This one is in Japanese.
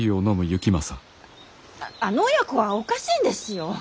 ああの親子はおかしいんですよ。